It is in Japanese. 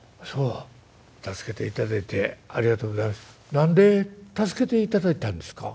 何で助けていただいたんですか？」。